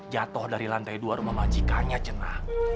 jatuh dari lantai dua rumah majikanya ceng